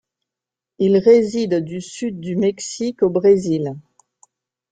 Il réside du sud du Mexique au Brésil.